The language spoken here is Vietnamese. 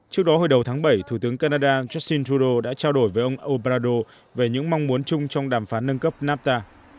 trước đó hồi đầu tháng bảy thủ tướng canada justin trudeau đã trao đổi với ông obrador về những mong muốn chung trong đàm phán nâng cấp nafta